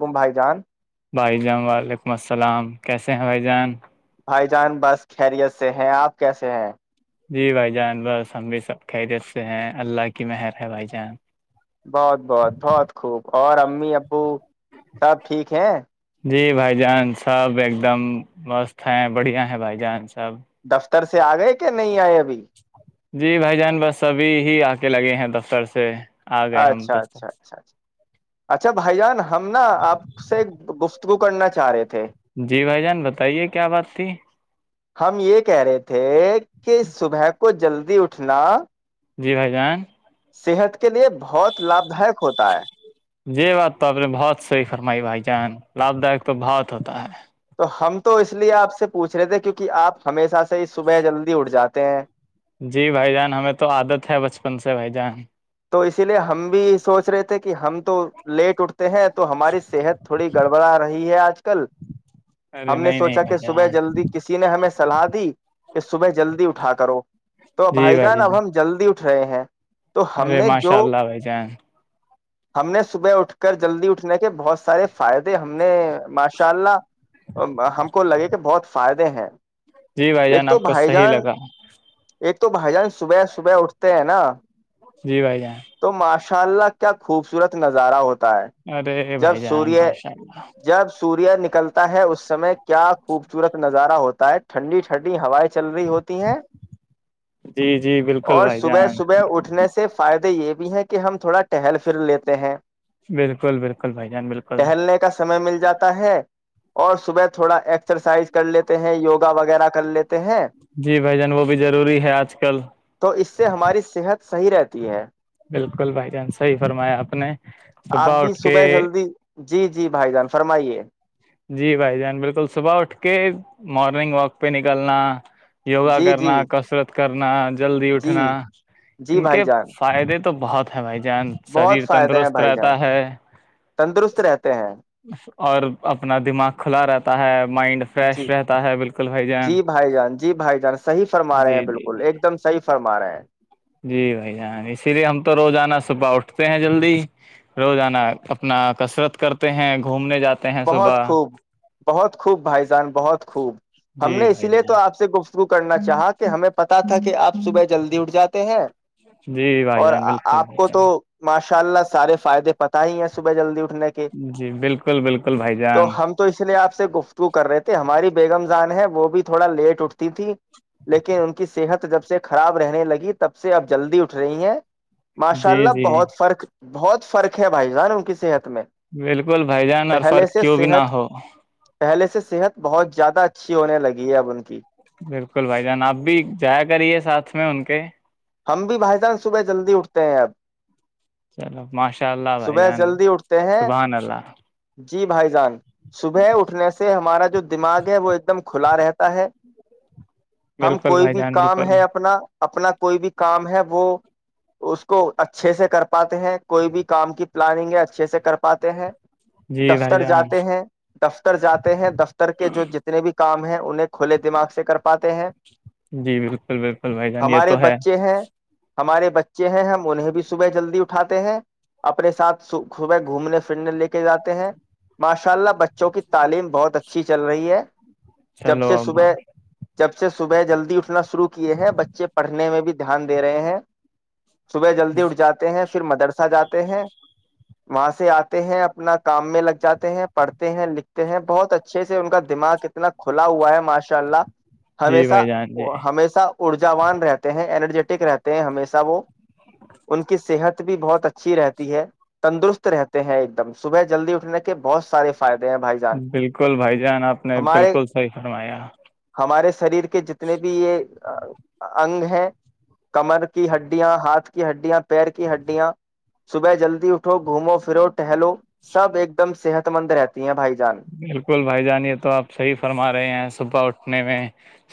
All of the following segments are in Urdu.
آم بھائی جان بھائی جان وعلیکم السلام کیسے ہیں بھائی جان بھائی جان بس خیریت سے ہیں آپ کیسے ہیں جی بھائی جان بس ہم بھی سب خیریت سے ہیں اللہ کی مہر ہے بھائی جان بہت بہت بہت خوب اور امی ابو سب ٹھیک ہیں جی بھائی جان سب ایک دم مست ہے بڑھیا ہے بھائی جان تب تر سے آ گئے کہ نہیں آئے بی جی بھائی جان بس سبھی ہی آک لگے ہیں دفتر سے آ گئے ہم اچھا اچھا دفتر اچھا اچھا بھائی جان ہم نا آپ سے گفت کو کرنا چاہ رہے تھے جی بھائی جان بتائیے کیا بات تھی ہم یہ کہہ رہے تھے کہ صبح کو جلدی اٹھنا جی بھائی جان صحت کے لیے بہت لابھ دائک ہوتا ہے یہی بات تو آپ نے بہت صحیح فرمائی بھائی جان لابھ دائک تو بہت ہوتا ہے تو ہم تو اس لیے آپ سے پوچھ رہے تھے کیونکہ آپ ہمیشہ سے ہی صبح جلدی اٹھ جاتے ہیں جی بھائی جان ہمیں تو عادت ہے بچپن سے بھائی جان تو اسی لیے ہم بھی سوچ رہے تھے کہ ہم تو لیٹ اٹ ہیں تو ہماری صحت تھوڑی گڑبڑا رہی ہے آج کل ارے ہم نے نہیں نہیں سوچا کہ بھائی صبح جان جلدی کسی نے ہمیں صلاح دی کہ صبح جلدی اٹھا کرو تو بھائی جان اب ہم جلدی آٹھ صحیح ہے ارے ماشاء اللہ بائی جائیں ہم نے صبح اٹھ کر جلدی اٹھنے کے بہت سارے فائدے ہم نے ماشاء اللہ ہم کو لگے کہ بہت فائدے ہیں جی بھائی ایک جان تو آپ کو بھائی صحیح جان لگا ایک تو بھائی جان صبح صبح اٹھتے ہیں نا جی بھائی جان تو ماش شاء اللہ کیا خوبصورت نظارہ ہوتا تا ہے ارے جب بھائی جان سوروریہ ماشاء اللہ جب سوریہ نک کلتا ہے اس سمے کیا خوبصورت نظارہ ہو ٹھنڈی ھنڈی ہ ہوائی چل رہی ہوتی ہیں جی جی بالکل اور بھائی صبح جان صبح اٹھنے سے فی یہ بھی ہے کہ ہم تھوڑا ٹہل پھر لیتے ہیں بالکل بالکل بھائی جان بالکل ٹہلنے کا سمے مل جاتا ہے اور صبح تھوڑا ایکسرسائز کر لیتے ہیں یوگا وغیرہ کر لی جی بھائی جان وہ بھی ضروری ہے آج کل تو اس سے ہماری صحت صحیح رہتی ہے بالکل بھائی چانس صحیح فرمایا آپ نے آپ بھی اٹھ کے صبح جلدی جی جی بھائی جان فرمائیے جی بھائی جان بالکل صبح اٹھ کے مارننگ واک پہ نکلنا یوگا جی جی کرنا کسرت کرنا جلدی جی اٹھنا جی ان بھائی کے جان فائدے تو بہت ہے بھائی جان شریر بہت فائدے ہیں تندرست بھائی جان رہتا ہے تندرست رہتے ہیں اور اپنا دماغ کھلا رہتا ہے مائنڈ فریش جی رہتا ہے بالکل بھائی جان جی بھائی جان جی بھائی جان صحیح جی جی جی ہ جی بھائی جان اسی لیے ہم تو روز آانہ صبح اٹھتے ہیں جلدی روزانا اپنا کثرت کرتے ہیں گھومنے جاتے ہیں بہت صبح خوب بہت خوب بھائی جان بہت خوب ہم جی نے اسی بھائی لیے تو جان آپ سے گفت شر کرنا چاہا کہ ہمیں پتتا تھا کہ آپ صبح جلدی اٹھ جاتے ہیں جی بھائی اور جان بالکل آپ بھائی کو تو ماش ان شاء اللہ سارے فائدے پتہ ہی ہے صبح جلدی اٹھنے کے جی بالکل بالکل بھائی تو جان ہم تو اس لیے آپ سے گف کر رہے تھے ہماری بیگمزان ہے وہ بھی تھوڑا لیٹ اٹھتی تھی لیکن ان کی صحت جب سے خراب رہنے لگی تب سے اب جلدی اٹھ رہی ہیں ماشاء جی اللہ جی بہت فرق بہت فرق ہے بھائی جان ان کسیحت بالکل بھائی جان ر فرق کیوں بھی نہ صحت ہو پہلے سے صحت بہت زیادہ اچھی ہونے لگی ہے اب ان کی بالکل بھائی جان آپ بھی جایا کریے ساتھ میں ان کے ہم بھی بھائی جان صبح جلدی اٹھتے ہیں اب چلو ماشاء اللہ بھائی صبح جان جلدی اٹھتے ہیں سبحان اللہ جی بھائی جان صبح اٹھنے سے ہمارا جو جو دماغ ہے وہ ایک دم کھلا رہتا ہے ہم بالکل کوئی بھائی بھی جان کام بالکل ہے اپنا اپنا کوئی بھی کام ہے وہ اس کو اچھے سے کر پاتے ہیں کوئی بھی کام کی پلاننگ ہے اچھے سے کر پاتے ہیں جی بھائی دفتر جان جاتے ہیں دفتر جاتے ہیں دفتر کے جو جتنے بھی کام ہیں انہیں کھلے دماغ سے کر پاتے ہیں جی بالکل بالکل بھائی جان یہ تو ہے ہاں ہمارے بچے ہیں ہم انہیں بھی صبح جلدی اٹھاتے ہیں اپنے ساتھ صبح گھومنے پھرنے لے کے جاتے ہیں ماشاء اللہ بچوں کی تعلیم بہت اچھی چل رہی ہے جب چلو سے اب صبح جب سے صبح جلدی اٹھنا شروع کیے ہیں بچے پڑھنے میں بھی دھیان دے رہے ہیں صبح جلدی اٹھ جاتے ہیں پھر مدرسہ جاتے ہیں وہاں سے آتے ہیں اپنا کام میں لگ جاتے ہیں پڑھتے ہیں لکھتے ہیں بہت اچھے سے ان کا دماغ اتنا کھلا ہوا ہے ماشاء اللہ جی ہمیشہ بھائی جان جی ہمیشہ ارجاوان رہتے ہیں ای ای ٹک رہتے ہیں ہشہ وہ ان کی صحت بھی بہت اچھی رہتی ہے تندرست رہتے ہیں ایک دم صبح جلدی اٹھنے کے بہت سارے فائدے ہیں بھائی جان بالکل بھائی جان آپ نے ہمارے بالکل صحی فرمایا ہمارے شریر کے جتنے بھی یہ اگ ہیں کمر کی ہڈیاں ہاتھ کی ہڈیاں پیر کی ہڈیاں صبح جلدی اٹھو گھومو پھرو ٹہلو سب ایک دم صحت مند رہتی ہیں بھائی جی بالکل بھائی جان یہ تو آپ صحیح فرما رہے ہیں صبح اٹھنے میں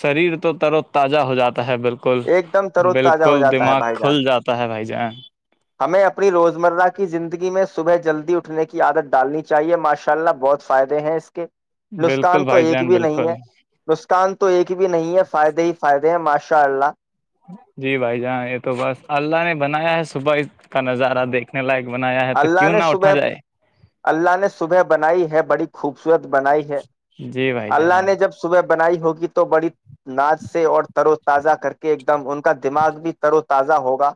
شریر تو تر و تازہ ہو جاتا ہے بالکل ایک دم ترو تازہ ہو بالکل جاتا ہے دماغ بھائی جان کھل جاتا ہے بھائی جان جی ہمیں اپنی روزمرہ کی زندگی میں صبح جلدی اٹھنے کی عادت ڈالنی چاہیے ماشاء اللہ بہت فائدے ہیں اس کے نسکان بالکل تو بھائی ایک جان بھی نہیں بالکل ہے نسکان تو تو ایک بھی نہیں ہے فائدے ہی فائدے ہیں ماشاء اللہ جی بھائی جاناں یہ تو بس اللہ نے بنایا ہے صبح اس کا نظارہ دیکھنے لائق بنایا ہے تو اللہ کیوں نے نہ صبح اٹھا جائے اللہ نے صبح بنائی ہے بڑی خوب ت بنائی ہے جی بھائی اللہ جان نے جب صبح بنائی ہوگی کی تو بڑی ناچ سے اور ترو تازہ کر کے ایک ایک دم ان کا دماغ بھی ترو تازہ ہوگا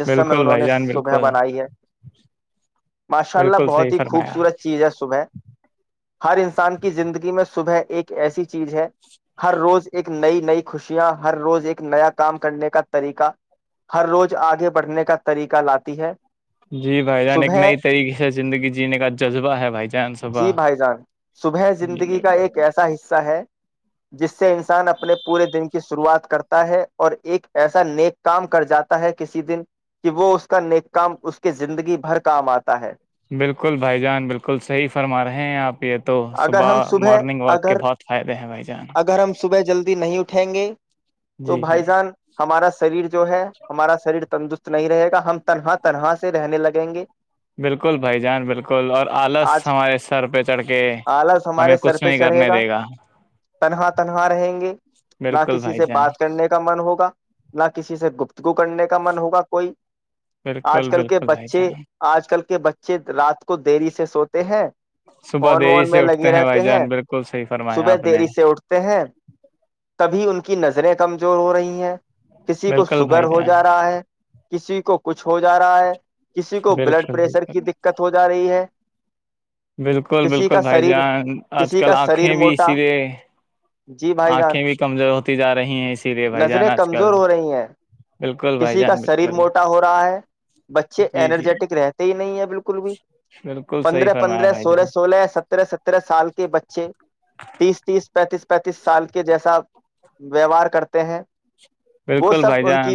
جس سمے بالکل انہوں بھائی نے جان صبح بالکل بنائی ہے ماشاء اللہ بالکل بہت صحیح ہی فرمایا خوبصورت چیز ہے صبح ہر انسان کی زندگی میں صبح ایک ایسی چیز ہے ہر روز ایک نئی نئی خوشیاں ہر روز ایک نیا کام کرنے کا طریقہ ہر روز آگے بڑھنے کا طریقہ لاتی ہے جی بھائی جان ایک صبح نئی طریقے سے زندگی جینے کا جذبہ ہے بھائی جان جی صبح بھائی جان صبح ج زندگی کا ایک ایسا حصہ ہے جس سے انسان اپ اپنے پورے دن کی شروعات کرتا ہے اور ایک ایسا نیک کام کر جاتا ہے کسی دن کہ وہ اس کا نیک کام اس کے زندگی بھر کام آتا ہے بالکل بھائی جان بالکل صحیح فرما رہے ہیں آپ یہ تو اگر ہم صبح مارننگ واک کے اگر بہت فائدے ہیں بھائی جان تھییں گے تو جی جی بھائی جان ہمارا شریر جو ہے ہمارا شریر تندرست نہیں رہے گا ہم تنہا تنہا سے رہنے لگیں گے بالکل بھائی جان بالکل اور آلس آج ہمارے سر پہ چڑھ کے آلس ہمارے ہمیں سر کچھ پہ نہیں چڑھے کرنے گا دے تنہا تنہا رہیں گے نہ بالکل کسی بھائی سے جان بات کرنے کا من ہوگا نہ کسی سے گپت کو کرنے کا من ہوگا کوئی بالکل آج کل کے بالکل بھائی بچے جان آج کل کے بچے رات کو دری سے سوتے ت ہیں صبح فون دیری وون سے میں اٹھتے لگے رہتے بھائی ہیں جان بالکل صحیح فرمایا صبح آپ نے دری سے اٹھتے ہیں تبھی ان کے کی نظریں کمزور ہو رہی ہیں کسی کو بالکل سوگر بھائی ہو جان جا رہا ہے کسی کو کچھ ہو جائے آ ہے کسی کو بلڈ بالکل پریشر بالکل کی دقت ہو جا رہی ہے بالکل کسی بالکل کا بھائی شریر جان آج کسی کل کا شریر آنکھیں بھی موٹا اسی لیے جی بھائی جان آنکھیں بھی کمزور ہوتی جا رہی ہیں اسی لیے بھائی جان نظریں آج کل کمزور ہو رہی ہیں بالکل بھائی کسی کا جان شریر بالکل موٹا ہو رہا ہے بچے جی جی ارجیٹک رہتے ہی نہیں ہے بالکل بھی بالکل صحیح پندرہ فرمایا پندرہ بھائی سولہ جان سولہ سترہ سترہ سال کے بچے تیس تیس پینتیس پینتیس سال کے جیسا ویوہار کرتے ہیں وہ بالکل بھائی سب ان کی جان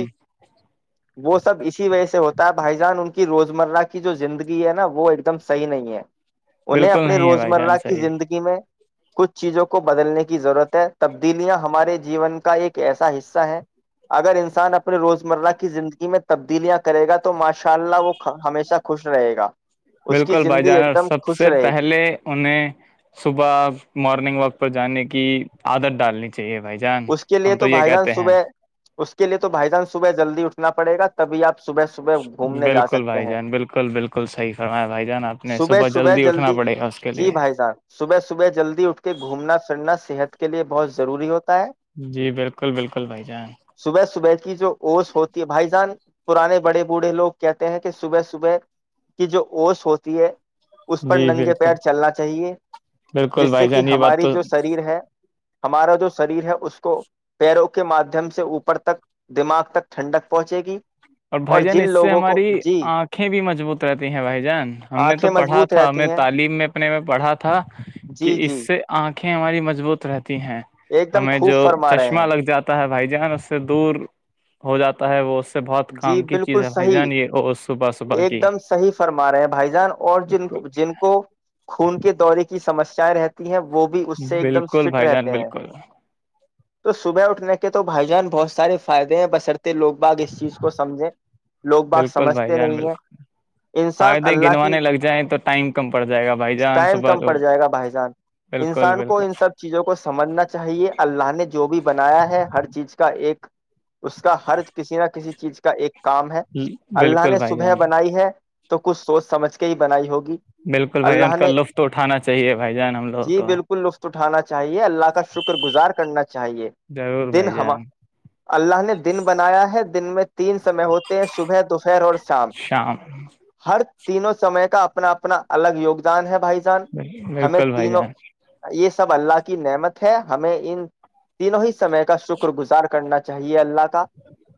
وہ سب اسی وجہ سے ہوتا بھائی جان ان کی روزمرہ کی جو زندگی ہے نا وہ ایک دم صحی نہیں ہے انہیں بالکل اپنی نہیں ہے بھائی جان روزمرہ کی صحیح زندگی میں کچھ چیزوں کو بدلنے کی ضرورت ہے تبدیلیاں ہمارے جیون کا ایک ایسا حصہ ہے اگر انسان اپنے روز مرہ کی زندگی میں تبدیلیاں کرے گا تو توش [inaudible] اس کی بالکل بھائی زندگی ایک جانور دم سب خوش سے رہے گی پہلے انہیں صبح مارننگ واک پر جانے کی عدت ڈالنی چیے بھائی جان اس کے لیے ہم تو یہ بھائی جان کہتے ہیں صبح اس کے لیے تو بھائی جان صبح جلدی اٹھنا پڑےا تبھی آپ صبح صبح گھومنے جا بالکل سکتے بھائی ہیں جان بالکل بالکل صحیح فرمایا بھائی جان آپ نے صبح صبح اٹھنا جلدی پڑے گا اس کے جی لیے بھائی صحب صبح صبح جلدی اٹھ کے گھومنا پھرنا سب صحت کے لیے بہت ضوری ہو ہے جی بالکل بالکل بھائی جان صبح صبح کی جو اوش ہوتی ہے بھائی جان پرانے بڑے بوڑھے لوگ کہتے ہیں کہ صبح صبح کی جو اوش ہوتی ہے اس پر جی ننگے پیر بالکل چلنا چاہیے بالکل جس سے بھائی کہ جان یہ بات ہماری تو جو شریر ہے ہمارا جو شریر ہے اس کو پیروں کے مادھیم سے اوپر تک دماغ تک ٹھنڈک پہنچے گی اور بھائی جان جن اس سے لوگوں ہماری کو جی آنکھیں بھی مضبوت رہتی ہیں بھائی جان ہم نے تو آنکھیں پڑھا مضبوط تھا ہمیں رہتی ہیں تعلیم میں اپنے میں پڑھا تھا کہ جی اس جی سے آنکھ آکھیں ہماری مضبط رہتی ہیں ہیں ایک دم ہمیں خوب جو فرما رہے چشمہ ہیں لگ جاتا ہے بھائی ن اس سے دور ہو جاتا ہے وہ اس سے بہت جی کام کی چیز بالکل ہے بھائی صحیح جان یہ اور صبح صبح ایک کی دم صحیح فرما رہے ہیں بھائی جان اور جن بالکل کو جن کو خون کے دورے کی سمسیایں رہتی ہیں وہ بھی اس سے ایک دم بالکل فٹ بھائی جان رہتے ہیں بالکل تو صبح اٹھنے کے تو بھائی جان بہت سارے فائدے ہیں بسرتے لوگ باغ کو سمجھے لوگ بااک بالکل بھائی سمجھتے جان نہیں ہے بالکل انسان فائدے اللہ کی گنوانے لگ جائیں تو ٹائم کم پڑ جائے گا بھائی جان ٹائم صبح کم تو پڑ جائے گا بھائی جان بالکل انسان کو ان بالکل سب چیزوں کو سمجھنا چاہیے اللہ نے جو بھی بنایا ہے ہر چیز کا ایک اس کا حر کسی نہ کسی چیز کا ایک کام ہے اللہ بالکل نے بھائی صبح جان بنائی ہے تو کچھ سوچ سمجھ کے ہی بنائی ہوگی بالکل بھائی جان اللہ کا نے لطف تو اٹھانا چاہیے بھائی جان ہم لوگوں جی کو بالکل لطف اٹھانا چاہیے اللہ کا شکر گزار کرنا چاہیے ضرور دن بھائی ہم جان اللہ نے دن بنایا ہے دن میں تین سمے ہوتے ہیں صبح دوپہر اور شام ہر تینوں سمے کا اپنا اپنا الگ یگدان ہے بھائی سان ہمیں بالکل بھائی تینوں جان یہ س اللہ کی نعمت ہے ہمیں ان تینوں ہی سے سے کا شکر گزار کرنا چاہیے چاہیے اللہ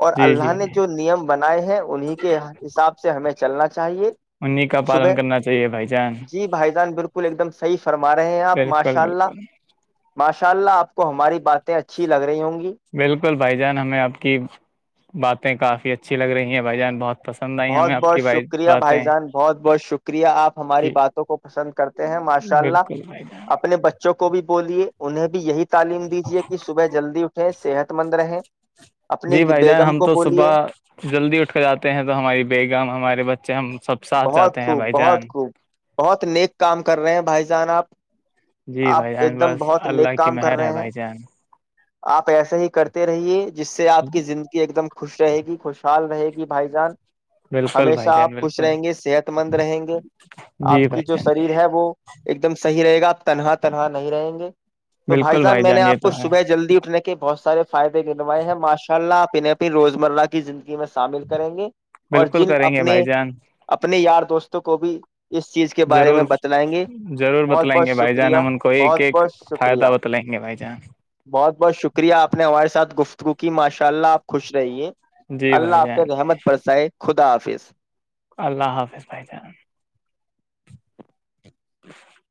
اور جی جی اللہ نے جی نیم بنائے ہیں انہیں کے حساب سے ہمیں میں چلنا چاہیے انیں کا صبح پالن کرنا چاہیے بھائی جان جی بھائی جان بالکل ایک دم سیف فرما رہے ہیں آپ بالکل ماشاء اللہ بالکل ماشاء اللہ آپ کو ہماری باتیں اچھی لگ رہی ہوں گی بالکل بالکل بھائی جان ہمیں آپ کی باتیں کافی اچھی لگ رہی ہیں بھائی جان بہت پسند آئی بہت ہمیں آپ بہت کی بھائی شکریہ باتیں بھائی جان بہت بہت شکریہ آپ ہماری کہ باتوں کو پسند کرتے ہیں ماشاء اللہ بالکل بھائی جان اپنے بچے کو بھی بولیے انہیں بھی یہی تعلیم دیجیے کہ صبح جلدی اٹھیں صحت مند رہیں اپنی جی بھائی جان بیگم ہم کو تو بولیے صبح بیگام ہمارے بچے ہم سب ساتھ بہت جاتے ہیں خوب بھائی بہت جان خوب بہت نیک کام کر رہے ہیں بھائی جان آپ جی بھائی آپ جان ایک دم بس بہت نیک اللہ کی کام کر مہر ہے رہے ہیں بھائی جان آپ پیسے ہی کرتے رہیے جس سے آپ کی زندگی ایک دم خوش رہے گی خوشحال رہے گی بھائی جان بالکل ہمیشہ بائی جان آپ بالکل خوش رہیں گے صحت مند رہیں گے جی آپ کی بھائی جو جان جی شریر ہے وہ ایک دم صحی رہے گا آپ تنہا تنہا نہیں رہیں گے تو بھائی بالکل جان میں نے یہ آپ تو کو ہے صبح جلدی اٹھنے کے کے بہت سارے فائدے گنوائے ہیں ماشاء اللہ آپ انیں اپنی روزمرہ کی زندگی میں شامل کریں گے اور بالکل جن کریں گے اپنے بھائی جان اپنے یار دوستوں کو بھی اس چیز کے بارے میں ضرور بتلائیں گے ضرور بہت بتلائیں بہت گے بھائی جان شکریہ ہم ان کو ایک بہت ایک بہت شکریہ فائدہ بتلائیں گے بھائی جان بہت بہت شکریہ آپ نے ہمارے ساتھ گفت کیونکہ ماشاء اللہ آپ خوش رہیے جی اللہ بھائی جان حافظ احمد پرسائے خدا حافظ اللہ حافظ بھائی جان